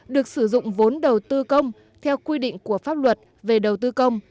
được sử dụng vốn đầu tư công theo quy định của pháp luật về đầu tư công